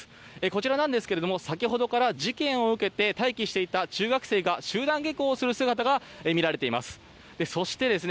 こちらなんですが、先ほどから事件を受けて待機していた中学生が集団下校をする姿が見られています。